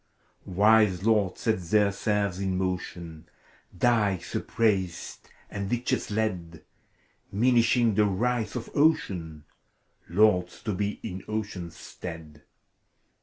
Wise lords set their serfs in motion. Dikes upraised and ditches led, Minishing the rights of Ocean, Lords to be in Oceaa's stead.